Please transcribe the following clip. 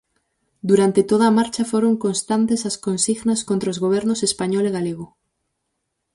Durante toda a marcha foron constantes as consignas contra os gobernos español e galego.